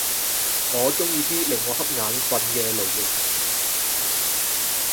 我鍾意啲令我瞌眼瞓嘅類型